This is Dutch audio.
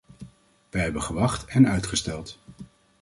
Wij hebben gewacht en uitgesteld.